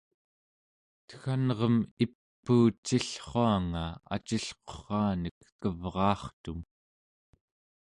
tegganrem ipuucillruanga acilqurranek kevraartum